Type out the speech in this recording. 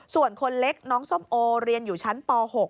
ส่วนคนเล็กน้องส้มโอเรียนอยู่ชั้นป๖